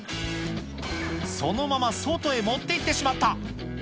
そのまま外へ持っていってしまった。